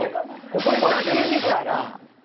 これだけ見たら。